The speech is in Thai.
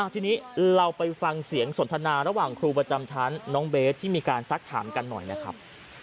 ทีนี้เราไปฟังเสียงสนทนาระหว่างครูประจำชั้นน้องเบสที่มีการซักถามกันหน่อยนะครับ